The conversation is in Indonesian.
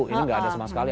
ini gak ada sama sekali